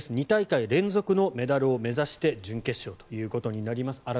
２大会連続のメダルを目指して準決勝となります。